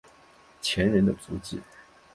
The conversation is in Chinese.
前人的足迹